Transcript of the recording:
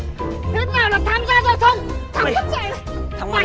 hiếp nào là tham gia cho thằng thằng mất dậy